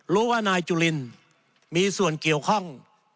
รู้ว่านายจุลินมีส่วนเกี่ยวข้อง